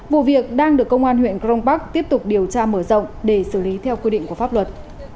vụ việc đang được công an huyện crong park tiếp tục điều tra mở rộng để xử lý theo quy định của pháp luật